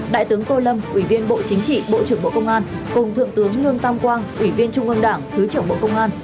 đại tướng tô lâm ủy viên bộ chính trị bộ trưởng bộ công an cùng thượng tướng lương tam quang ủy viên trung ương đảng thứ trưởng bộ công an